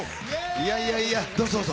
いやいやいや、どうぞ、どうぞ。